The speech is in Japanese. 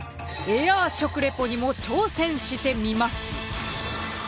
エア食リポにも挑戦してみます。